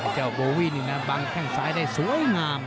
เจ้าโบวินินาบังแข่งซ้ายได้สวยงาม